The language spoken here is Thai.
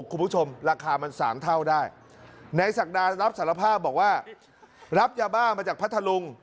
คุณผู้ชมราคามันสามเท่าได้ในศักดารับสารภาพบอกว่ารับยาบ้ามาจากพัทธลุง